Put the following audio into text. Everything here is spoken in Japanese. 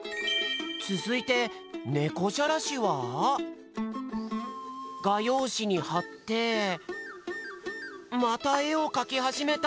つづいてねこじゃらしは？がようしにはってまたえをかきはじめた！